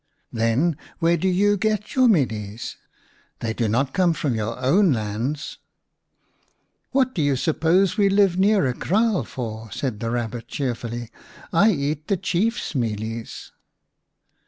" Then where do you get your mealies ? They do not come from your own lands." " What do you suppose we live near a kraal for ?" said the Kabbit cheerfully. " I eat the Chief's mealies."